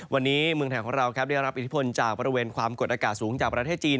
วันนี้เมืองไทยของเราได้รับอิทธิพลจากบริเวณความกดอากาศสูงจากประเทศจีน